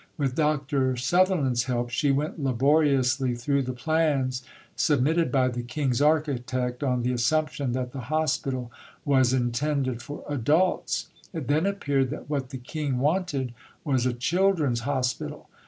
With Dr. Sutherland's help, she went laboriously through the plans submitted by the King's architect on the assumption that the hospital was intended for adults. It then appeared that what the King wanted was a Children's Hospital.